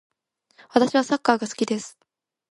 私はサッカーが好きです。